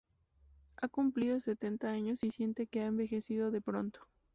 Ha cumplido sesenta años y siente que ha envejecido de pronto.